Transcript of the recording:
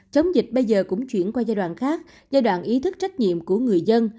chống dịch bây giờ cũng chuyển qua giai đoạn khác giai đoạn ý thức trách nhiệm của người dân